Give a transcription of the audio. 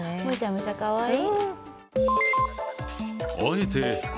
むしゃむしゃ、かわいい。